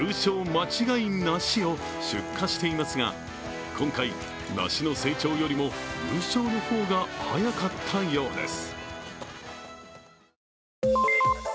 まちがい梨を出荷していますが今回、梨の成長よりも優勝の方が早かったようです。